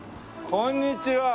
こんにちは。